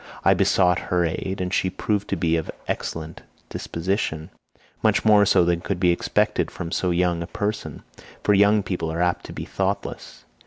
I besought her aid, and she proved to be of an excellent disposition, much more so than could be expected from so young a person—for young people are apt to be thoughtless.